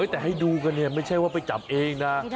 แต่ให้ดูกันเนี่ยไม่ใช่ว่าไปจับเองนะ